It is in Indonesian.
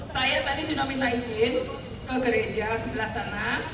saya tadi sudah minta izin ke gereja sebelah sana